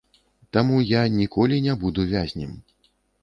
Таму я ніколі не буду вязнем.